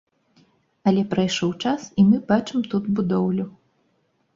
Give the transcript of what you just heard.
Але прайшоў час, і мы бачым тут будоўлю.